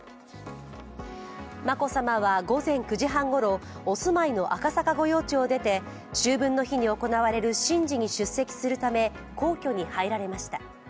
眞子さまは午前９時半ごろ、お住まいの赤坂御用地を出て、秋分の日に行われる神事に出席するため皇居に入られました。